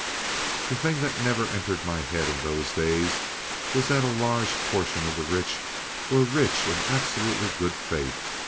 The thing that never entered my head in those days was that a large proportion of the rich were rich in absolute good faith.